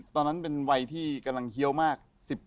ตอนนั้นเป็นวัยที่กำลังเคี้ยวมาก